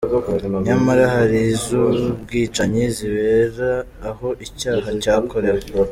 Nyamara hari iz’ubwicanyi zibera aho icyaha cyakorewe.